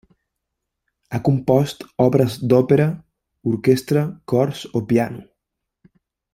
Ha compost obres d'òpera, orquestra, cors o piano.